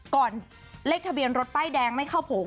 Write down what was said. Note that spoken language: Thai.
ก่อนเลขถบรถใบป้ายแดงไม่เข้าโผล่